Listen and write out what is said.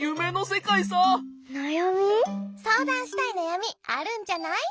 そうだんしたいなやみあるんじゃない？